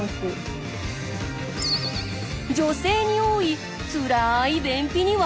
女性に多いつらい便秘には。